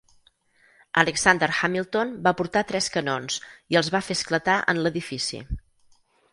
Alexander Hamilton va portar tres canons i els va fer esclatar en l'edifici.